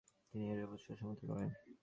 তিনি এর আবশ্যকতা সমর্থন করেন।